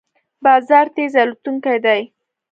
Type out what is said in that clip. باز تېز الوتونکی دی